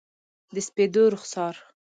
د سپېدو رخسار،